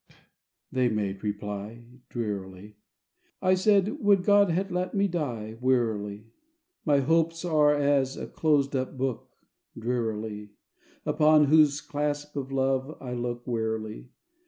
"He loved thee not," they made reply, Drearily. I said, "Would God had let me die!" Wearily. II My hopes are as a closed up book, Drearily, Upon whose clasp of love I look Wearily.